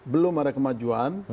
belum ada kemajuan